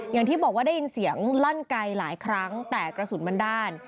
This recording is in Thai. อย่างที่บอกว่าได้ยินเสียงลั่นไกลหลายครั้งแต่กระสุนมันด้าน